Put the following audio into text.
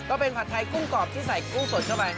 ผัดไทยกุ้งกรอบที่ใส่กุ้งสดเข้าไป